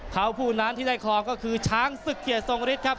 เขาผู้นั้นที่ได้คลองก็คือช้างศึกเกียรติทรงฤทธิ์ครับ